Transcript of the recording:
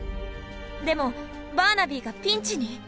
でもバーナビーがピンチに！